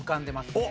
おっ！